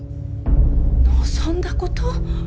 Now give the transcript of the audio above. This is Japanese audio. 望んだこと？